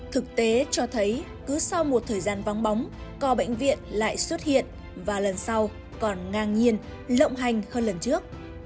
thực tế cho thấy cứ sau một thời gian vắng bóng cò bệnh viện lại xuất hiện và lần sau còn ngang nhiên lộng hành hơn lần trước